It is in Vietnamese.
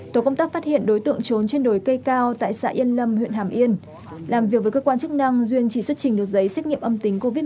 tổ công tác phát hiện đối tượng trốn trên đồi cây cao tại xã yên lâm huyện hàm yên làm việc với cơ quan chức năng duyên chỉ xuất trình được giấy xét nghiệm âm tính covid một mươi chín